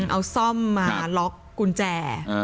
เอาซ่อมมาล็อกกุญแจ